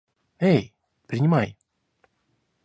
Эй, принимай!